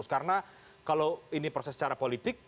karena kalau ini proses secara politik